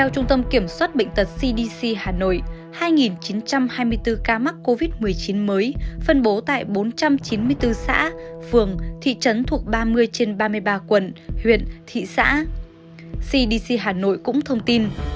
các bạn hãy đăng ký kênh để ủng hộ kênh của chúng mình nhé